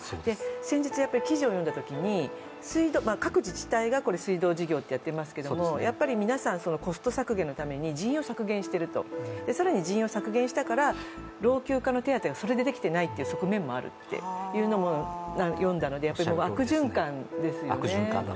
先月、記事を読んだときに各自治体が水道事業ってやっていますけれども皆さん、人員を削減している、更に人員を削減したから、老朽化の手当がそれでできていないという側面もあるというのも読んだので悪循環ですよね。